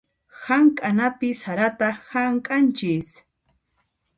Hamk'anapi sarata hamk'anchis.